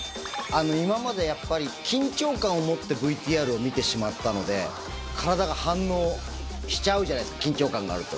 今までやっぱり、緊張感を持ってＶＴＲを見てしまったので、体が反応しちゃうじゃないですか、緊張感があると。